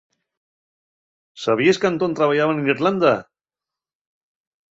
¿Sabíes qu'Antón trabayaba n'Irlanda?